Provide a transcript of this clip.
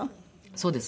そうです。